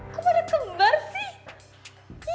kok pada kembar sih